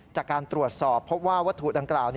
จากการตรวจสอบพบว่าวัตถุดังกล่าว